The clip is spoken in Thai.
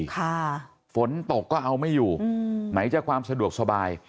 ค่ะฟ้นตกก็เอาไม่อยู่หมายตัวความสะดวกสบาย